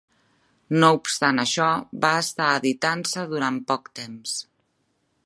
No obstant això va estar editant-se durant poc temps.